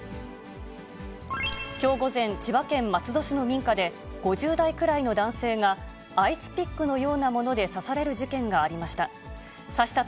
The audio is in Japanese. きょう午前、千葉県松戸市の民家で、５０代くらいの男性が、アイスピックのようなもので刺される事件がありました。